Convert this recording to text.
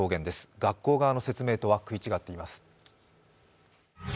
学校側の説明とは食い違っています。